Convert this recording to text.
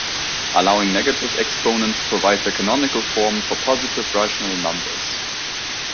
Allowing negative exponents provides a canonical form for positive rational numbers.